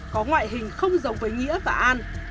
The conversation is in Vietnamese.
có ngoại hình không giống với nghĩa và an